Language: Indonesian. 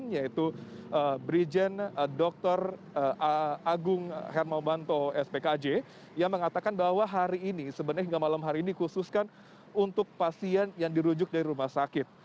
yaitu brigjen dr agung hermawanto spkj yang mengatakan bahwa hari ini sebenarnya hingga malam hari ini khususkan untuk pasien yang dirujuk dari rumah sakit